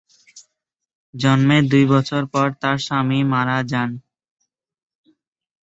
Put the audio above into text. জন্মের দুই বছর পর তাঁর স্বামী মারা যান।